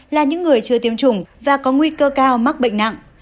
là những người chưa tiêm chủng và có nguy cơ cao mắc bệnh nặng